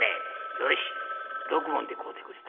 「よし６文で買うてくれた」。